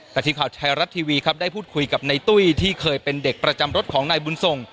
แต่ทีมข่าวไทยรัฐทีวีครับได้พูดคุยกับในตุ้ยที่เคยเป็นเด็กประจำรถของนายบุญส่ง